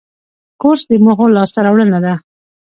کورس د موخو لاسته راوړنه ده.